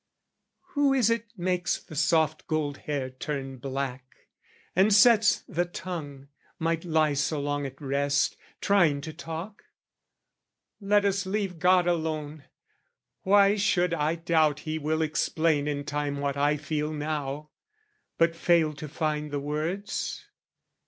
Who is it makes the soft gold hair turn black, And sets the tongue, might lie so long at rest, Trying to talk? Let us leave God alone! Why should I doubt He will explain in time What I feel now, but fail to find the words?